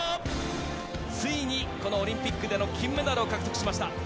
ついにこのオリンピックでの金メダルを獲得しました。